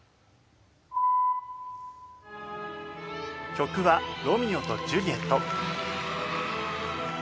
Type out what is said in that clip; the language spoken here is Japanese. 曲は『ロミオとジュリエット』。